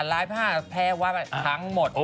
ลายผ้าแพร่วัดทั้งหมด